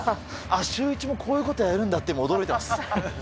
シューイチもこういうことやるんだって今、驚いてます。